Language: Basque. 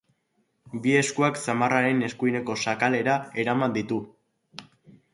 Bi eskuak zamarraren eskuineko sakelera eraman ditu.